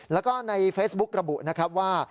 แล้วก็ในเฟซบุ๊กระบุนะครับว่า